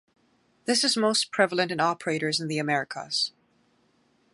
This is most prevalent in operators in the Americas.